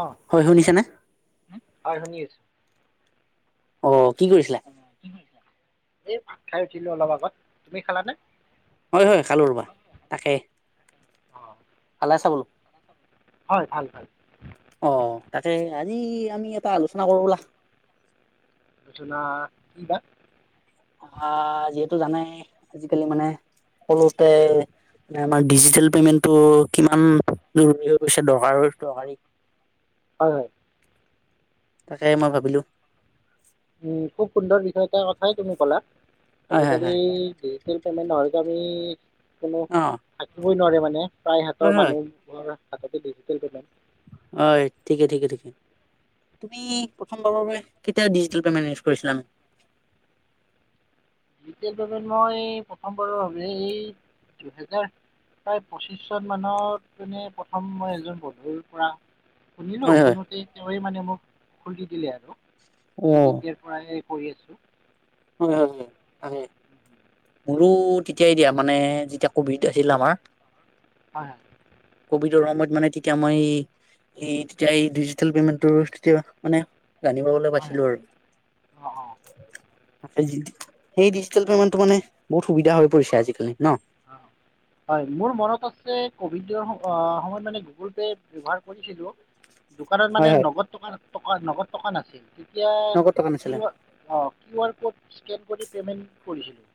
অহ হয় শুনিছানে হয় শুনি আছো অ কি কৰিছিলা এই ভাত খাই উঠিলো অলপ আগত তুমি খালানে হয় হয় খালো ৰবা তাকেই অঁ খালা চ বোলো হয় ভাল ভাল অ তাতে এই আমি এটা আলোচনা কৰো বলা আলোচনা কি বা আহ যিহেতু জানাই আজিকালি মানে সকলোতে মে আমাৰ ডিজিটেল পেমেণ্টটো কিমান জৰুৰী হৈ গৈছে দৰকাৰ দৰকাৰী হয় হয় তাকে মই ভাবিলোঁ উম খুব সুন্দৰ বিষয় এটা কথাই তুমি ক'লা হয় হয় আজিকালি হয় এই পেমেণ্ট নহলেতো আমি কোনো অ থাকিব বই নোৱাৰে মানে হয় প্ৰায়হাতৰ হয় মানুহৰ তাতে ডিটেল পেমেণ্ট হয় ঠিকে ঠিকে ঠিকে তুমি প্ৰথমবাৰৰ বাবে কেতিয়া ডিজিটেল পেমেন্ট ইউজ কৰিছিলা নো ডিজিটেল পেমেণ্ট মই প্ৰথমবাৰৰ বাবে এই দুহেজাৰ প্ৰায় পঁচিশ চন মানত মানে প্ৰথম মই এজন বন্ধুৰ পৰা শুনিলো হয় হয় শুনোতে হয় মানে মোক খুলি দিলে আৰু অ সেই তেতিয়াৰ পৰা এই কৰি আছোঁ। হয় হয় হয় মোৰো তেতিয়াই দিয়া মানে যেতিয়া কভিড আছিল আমাৰ। হয়। কভিদৰ সময়ত মানে তেতিয়া মই এই ডিজিটেল পেমেণ্ট টোৰ তেতিয়া মানে জানিবাবলে হয় পাইছিলো আৰু। অঁ অঁ সেই ডিজিটেল পেমেন্টটো মানে বহুত সুবিধা হৈ পৰিছে আজিকালি ন? হয় মোৰ মনত আছে কভিডৰ সময়ত মানে গুগল পে ব্যৱহাৰ কৰিছিলো। দোকানত হয় মানে হয় নগদ টকা টকা নগদ টকা নাছিল তেতিয়া নগদ টকা নাছিলে কি অ কিউ আৰ ক'ড স্কেন কৰি পেমেণ্ট কৰিছিলো।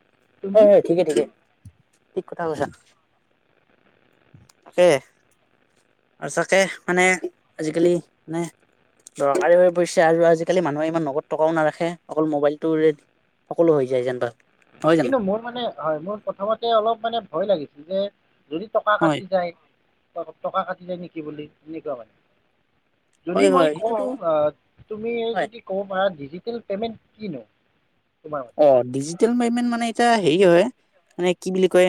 হয় হয় ঠিকে ঠিকে। ঠিক কথা কৈছা। তাকে আৰু চাকে মানে আজিকালি মানে দৰকাৰী হৈ পৰিছে। আৰু আজিকালি মানুহে ইমান নগদ টকাও নাৰাখে। অকল মোবাইলটোৰে উম। সকলো হৈ যায় যেনবা কিন্তু মোৰ মানে হয় মোৰ প্ৰথমতে অলপ মানে ভয় লাগিছিল যে যদি টকা হয় কাটি যায় টকা কাটি যায় নেকি বুলিম এনেকুৱা মানে। যদি হয় মই হয় কওঁ সেইটোতো আহ তুমি হয় যদি ক'ব পাৰা ডিজিটেল পে'মেণ্ট কিনো? তোমাৰ মতে অ ডিজিটেল পেমেণ্ট মানে [unintelligible] হেৰি হয় মানে কি বুলি কয়,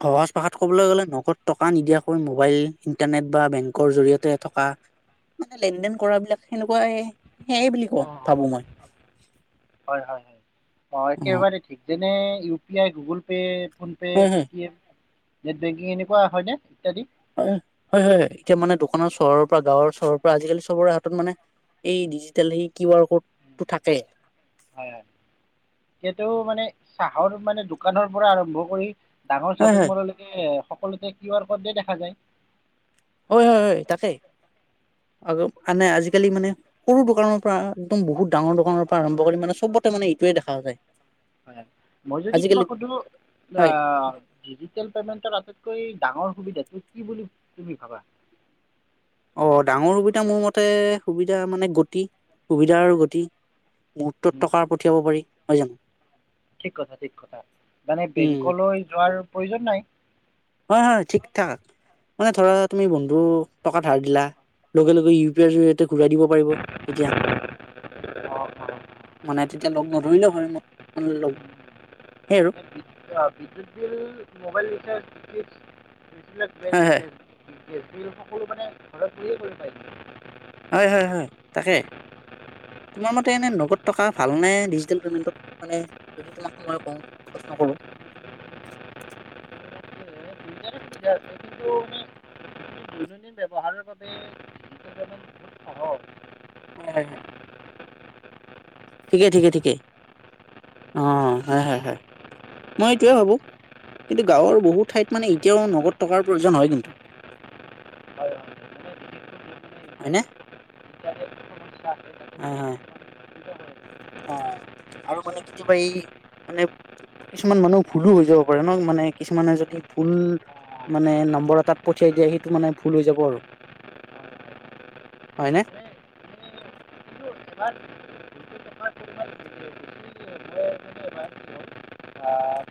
সহজ ভাষাত কবলৈ গলে নগদ টকা নিদিয়াকৈ মোবাইল ইণ্টাৰনেট বা বেংকৰ জৰিয়তে থকা মানে লেন দেন কৰা বিলাক সেনেকুৱাই সেইয়াই বুলি ক অঁ অঁ ভাবো মই। অ একেবাৰে ঠিক যে মানে U P I Google Pay PhonePe' হয় হয় পেটিএম নেট বেংকিং এনেকুৱা হয় নে? ইত্যাদি হয় হয় হয়। এতিয়া মানে দোকানৰ চহৰৰ পৰা গাঁৱৰ চহৰৰ পৰা আজিকালি চবৰে হাতত মানে এই ডিজিটেল স কিউ আৰ ক'ড টো থাকে। হয় হয় এইটো মানে চাহৰ মানে দোকানৰ পৰা আৰম্ভ কৰি ডাঙৰ হয় শ্বপিং হয় মললৈকে সকলোতে কিউ আৰ ক'ড তে দেখা যায়। হয় হয় হয় তাকেই। আ আনে আজিকালি মানে সৰু দোকানৰ পৰা একদম বহুত ডাঙৰ দোকানৰ পৰা আৰম্ভ কৰি মানে চবতে মানে ইটোৱে দেখা যায়। হয় মই যদি আজিকালি তোমাক সুধো, আ হয় ডিজিটেল পেমেণ্টৰ কৈ ডাঙৰ সুবিধাটো কি বুলি তুমি ভাবা অ ডাঙৰ সুবিধা মোৰ মতে সুবিধা মানে গতি সুবিধাৰ গতি মুহূৰ্তত উম, টকা উম, পঠিয়াব পাৰি হয় জানো ঠিক কথা ঠিক কথা মানে বেংকলৈ যোৱাৰ প্ৰয়োজন নাই অ হ ঠিক ঠাক মানে ধৰা তুমি বন্ধু টকা ধাৰ দিলা লগে লগে ইউ পি আইৰ জ ঘূৰাই দিব পাৰিব তেতিয়া। অঁ মানে এতিয়া লগ নধৰিলেে হয়। লগ অঁ সেই আৰু বিদ্যুৎ বিল মোবাইল দিখে এক স ক হয় হয় সকলো মানে ঘৰত বহিয়ে কৰি পাৰি হয় হয় হয় তাকে তোমাৰ মতে এনে নগদ টকা ভালনে ডিজিটেল পে'মেণ্টত? মানে যদি তোমাক সময় কওঁ প্ৰশ্ন কৰোঁ এতিয়া সটো আমি দৈনন্দিন ব্যৱহাৰৰ বাবে শন খহুত সহজ উ থিকেই ঠিকে ঠিকেই অ মই এইটোয়ে ভাবো কিন্তু গাঁৱৰ বহুত ঠাইত মানে এতিয়াও নগদ টকাৰ প্ৰয়োজন হয় কিন্তু। হয় হয় মানে বিশেষকৈ য'ত মানে হয়নে? ইণ্টাৰনেট ইণ্টাৰনেট সমস্যা আছে তাতে মানে অকণমান অসুবিধা হয় অ আৰু মানে কেতিয়াবা এই মানে কিছুমান মানুহ ভুলো হৈ যাব পাৰে ন মানে কিছুমানে যদি ভুল অঁ মানে নম্বৰ এটাত পঠিয়াই দিয়ে সেইটো মানে ভুল হৈ যাব আৰু। হয় হয় হয়নে? বাদ মই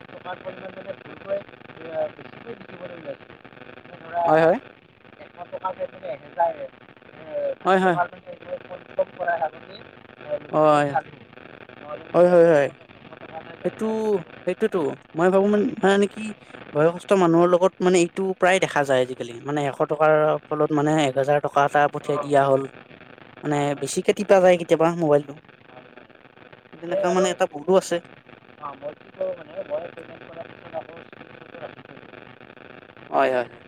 টকা পোনটে বেছিকৈ দেখিবলৈ হয় হয় এহেজাৰ [unintelligible] হয় হয় চব কৰাই হালুনি গটো হয় জালি হয় হয় হয়। সেইটো এহেজাৰ বেছি হ'ল। সেইটোতো মই ভাবো মান মানে কি বয়সস্থ মানুহৰ লগত মানে এইটো প্ৰায় দেখা যায় আজিকালি মানে এশ টকাৰ ফলত মানে এহেজাৰ টকা এটা পঠিয়াই অঁ দিয়া হল হয় মানে হয় বেছি কে তিপা যায় কেতিয়াবা মোবাইলটো হয় হয় সেই তেনেকুৱা সেয়ে আৰু মানে এটা বহুতো আছে অঁ মই কি কৰোঁ মানে মই পে'মেণ্ট কৰাৰ পিছত আকৌ স্ক্ৰীনশ্বটটো ৰাখি থৈ দিওঁ হয় হয় হয়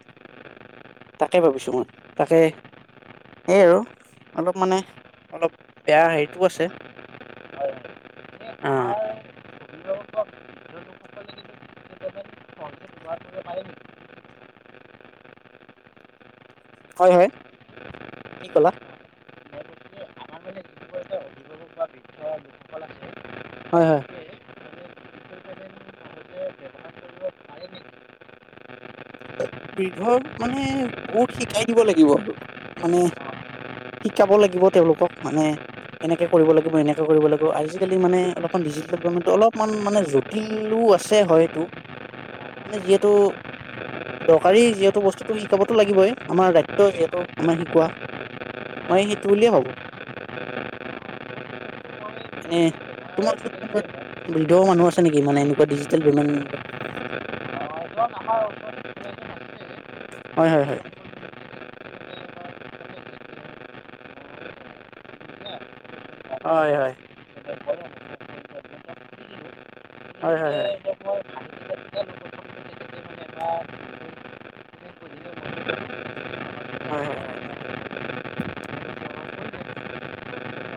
তাকে ভাবিছো মই তাকে সেই আৰু অলপ মানে অলপ বেয়া হেৰিটো আছে হয় এই অ আমাৰ অভিভাৱক বৃদ্ধ লোকসকলে কিন্তু ডিজিটেল পে'মেণ্ট সহজে ব্যৱহাৰ কৰিব পাৰে নেকি হয় হয় কি কলা? নে গতিকে আমাৰ মানে যিসকল এতিয়া অভিভাৱক বা বৃদ্ধ লোকসকল আছে হয় তেওঁলোকে হয়। মানে ডিজিটেল পে'মেণ্ট সহজে ব্যৱহাৰ কৰিব পাৰে নেকি বধৰ মানে বহুত শিকাই দিব লাগিব আৰু মানে মই বিশেষকৈ শিকাব লাগিব তেওঁলোকক মানে এনেকে কৰিব লাগিব এনেকে কৰিব লাগিব আজিকালি মানে অলপমান ডিজিটেলভপমেণ্ট অলপমান মানে জটিলো আছে হয় এইটো মানে যিহেতু দৰকাৰী যিহেতু বস্তুটো শিকাবতো লাগিবই আমাৰ দায়িত্ব যিহেতু আমাৰ শিকোৱা মই সেইটো বুলিয়ে ভাবো। এ তোমাৰ ব্যৱহাৰ কৰিছিলোঁ ওচৰত বৃদ্ধ মানুহ আছে নেকি মানে এনেকুৱা ডিজিটেল আ নহাৰপ [unintelligible] হয় হয় হয় হয় হয় হয় হয় হয় হয় হয় হয়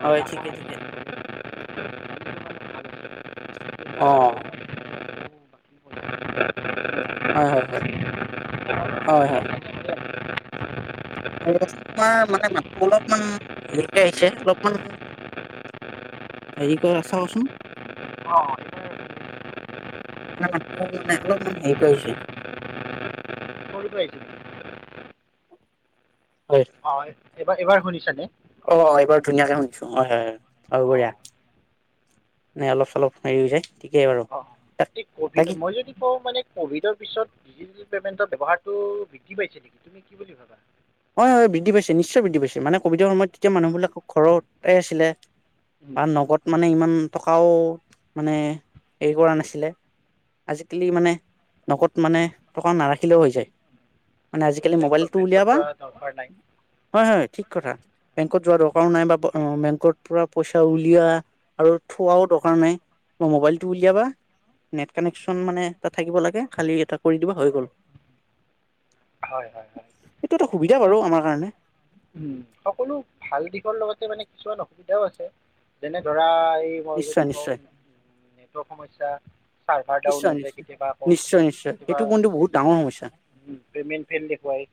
হয় ঠিকে ঠিকে। অ হয় হয় হয় হয় হয় হয়কচোন তোমাৰ মানে মাতটো অলপমান হেৰিকে আহিছে অলপমান হেৰি কৰা চাওচোন। অ এই ন ত মানে মান এইেই কেইছে [unintelligible] পাইছিল হয়। এইবাৰ এবাৰ শুনিছানে? অ' এইবাৰ ধুনীয়াকে শুনিছো। হয় হয়, আৰু বঢ়িয়া। অঁ নে অলপ-চলপ হেৰি হৈ যায়। ঠিকেই বাৰু, তাক ভি তাকি মই যদি কওঁ মানে, ক'ভিডৰ পিছত ডিজিটেল পেমেণ্টৰ ব্যৱহাৰটো বৃদ্ধি পাইছে নেকি? তুমি কি বুলি ভাবা? হয় হয়। বৃদ্ধি পাইছে। নিশ্চয় বৃদ্ধি পাইছে। মানে ক'ভিডৰ সময়ত তেতিয়া মানুহবিলাক ঘৰতেই আছিলে। উম, পা নগদ মানে ইমান টকাও, মানে হেৰি কৰা নাছিলে। আজিকালি মানে, নগদ মানে টকা নাৰাখিলেও হৈ যায়। মানে আজিকালি মোবাইল টো উলিয়াবা। ঘৰ নাই হয় হয়, ঠিক কথা। বেংকত যোৱা দৰকাৰো নাই বা বেংকৰ পৰা পইচা উলিওৱা আৰু থোৱাও দৰকাৰ নাই। মোবাইলেটো উলিয়াবা নেট কানেকশ্বন মানে থাকিব লাগে, খালি এটা কৰি দিবা হৈ গ'ল। হয়, হয়, হয়। এইটো এটা সুবিধা মানে বাৰু আমাৰ কাৰণে! উম, সকলো ভাল দিশৰ লগতে মানে কিছুমান অসুবিধাও আছে। যেনে ধৰা মই নিশ্চয় যদি নিশ্চয় কওঁ সমস্যা চাৰ্ভাৰ ডাউন নিশ্চয় হৈ যায় নিশ্চয় কেতিয়াবা আকৌ, নিশ্চয় নিশ্চয় কিবা সেইটো কিন্তু বহুত ডাঙৰ সমস্যা পেমেণ্ট ফেল দেখুৱায়।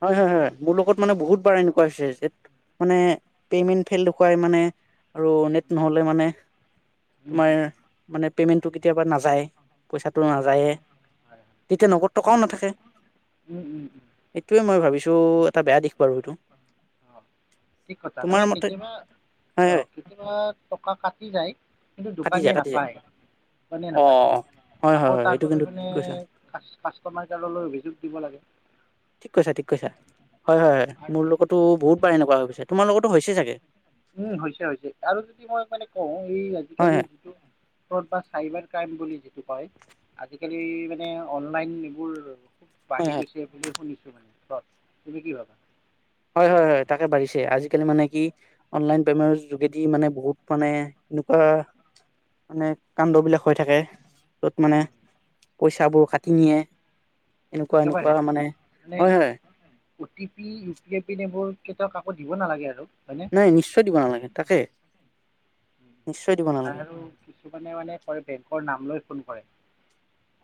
হয়, হয়, হয়। মোৰ লগত মানে বহুতবাৰ এনেকুৱা হৈছে। মানে পেমেণ্ট ফেল দেখুৱাই মানে, আৰু নেট নহ'লে মানে, উম, তোমাৰ উম, উম, পেমেণ্টতো কেতিয়াবা নাযায়। পইছাটো হয় নাযায়য়ে। হয় তেতিয়া নগদ টকাও নাথাকে। এইটোৱে মই ভাবিছো, এটা বেয়া দিশ বাৰু এইটো। অঁ ঠিক কথা, মানে তোমাৰ মতে কেতিয়াবা, হয় অ' হয় কেতিয়াবা টকা কাটি যায়, কিন্তু কাটি দোকানীয়ে যায় কাটি যায় নাপায়। দোকানীয়ে অ অ নাপায়, হয় আকৌ হয় হয় তাৰ এইটো বাবে কিন্তু মানে ঠিক কৈছা কাষ্টমাৰ কেয়াৰলৈ অভিযোগ দিব লাগে। ঠিক কৈছা, ঠিক কৈছা। হয় হয় হয়। আৰু মোৰ লগতো বহুতবাৰ এনেকুৱা হৈ গৈছে। তোমাৰ লগতো হৈছে চাগে? উম হৈছে হৈছে। আৰু যদি মই মানে কওঁ। এই হয় আজিকালি হয় যিটো বা চাইবাৰ ক্ৰাইম বুলি যিটো কয়, আজিকালি মানে অনলাইন এইবোৰ হয় বাঢ়ি হয় গৈছে বুলি শুনিছো মানে, ফ্ৰড। তুমি কি ভাবা? হয় হয় হয়, তাকে বাঢ়িছে। আজিকালি মানে কি, অনলাইন পেমেন্টৰ যোগেদি মানে বহুত মানে এনেকুৱা, মানে কাণ্ডবিলাক হৈ থাকে। য'ত মানে উম, পইচাবোৰ কাটি নিয়ে। এনেকুৱা-এনেকুৱা মানে। হয় হয়। অ'টিপি, ইউপিএফ পিন এইবোৰ কেতিয়াও কাকো দিব নালাগে আৰু। হয়নে নাই নিশ্চয় দিব নালাগে? তাকে। নিশ্চয় দিব নালাগে আৰু কিছুমানে মানে কৈ বেংকৰ নাম লৈ ফোন হয়।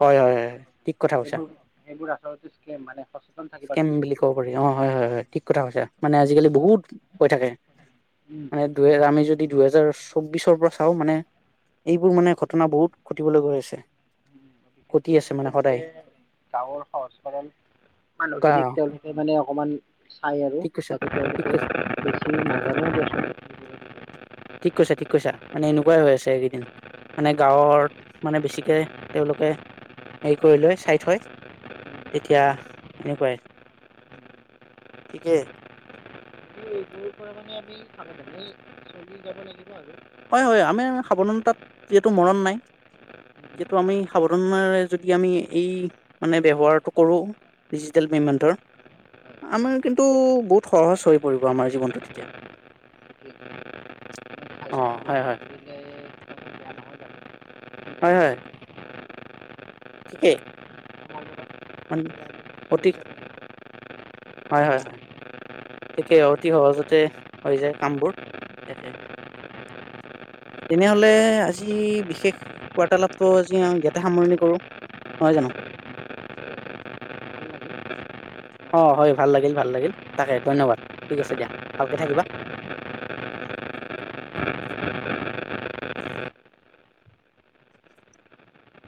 হয় হয় হয়, ঠিক কথা কৈছা, সেইবোৰ আচলতে স্কেম মানে সচেতন থাকিবা কেন কিন্তু বুলি তুমি কব পাৰি অ, হয় হয় হয় ঠিক কথা কৈছা। মানে আজিকালি বহুত হৈ থাকে। মানে দু আমি যদি যদি দুহেজাৰ চৌবিশৰ পৰা চাও মানে, এইবোৰ মানে ঘটনা বহুত ঘটিবলৈ গৈ আছে। উম ঘটি বিশেষকৈ মানে আছে তেওঁলোকে সদায় গাঁৱৰ সহজ সৰল মানুহ কা খিনিক তেওঁলোকে মানে সমান চাই আৰু ঠিক কৈছা তাক ঠিক কৈছা বেছি নাজ [unintelligible] ঠিক কৈছা, ঠিক কৈছা, মানে এনেকুৱাই হৈ আছে এইকেইদিন, মানে গাঁৱত মানে বেছিকে তেওঁলোকে হেৰি কৰি লৈ চাই থয়, তেতিয়া এনেকুৱাই, ঠিকেই। সৰু পৰা মানে আমি সাৱধানেই চলি যাব লাগিব আৰু। চাই চিতি হয়-হয় আমাৰ সাৱধানতাত যিহেতু মৰণ নাই, যিহেতু আমি সাৱধানেৰে যদি আমি এই মানে ব্যৱহাৰটো কৰোঁ ডিজিটেল -পেমেন্টৰ। আমাৰ কিন্তু বহুত সহজ হৈ পৰিব আমাৰ জীৱনটো তেতিয়া। ব্যৱহাৰ অ, হয়-হয়। কৰিলে বেয়া নহয় হয়- হয়। ঠিকেই। অতি, হয় হয় হয়। ঠিকে অতি সহজতে হৈ যায় কামবোৰ একে, তেনেহলে আজি বিশেষ বাৰ্তালাপটো আজি ই্য়াতে সামৰণি কৰো নহয় জানো। বাৰু অ, হয় ভাল লাগিল, ভাল লাগিল তাকে ধন্যবাদ, ঠিক আছে দিয়া ভালকে থাকিবা।